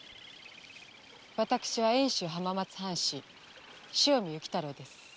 私は遠州浜松藩士汐見雪太郎です。